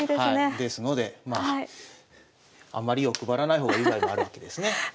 ですのであんまり欲張らない方がいい場合もあるわけですね。